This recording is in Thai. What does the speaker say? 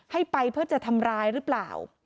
ให้ไปเพื่อจะทำร้ายหรือเปล่า